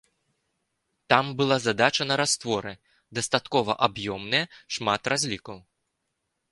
Там была задача на растворы, дастаткова аб'ёмная, шмат разлікаў.